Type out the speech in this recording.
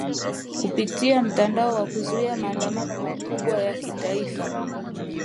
kupitia mtandao na kuzua maandamano makubwa ya kitaifa